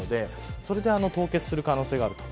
それで凍結する可能性があります。